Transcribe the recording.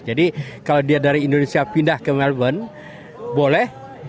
jadi kalau dia dari indonesia pindah ke melbourne boleh